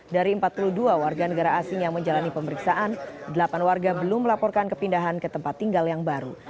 dari empat puluh dua warga negara asing yang menjalani pemeriksaan delapan warga belum melaporkan kepindahan ke tempat tinggal yang baru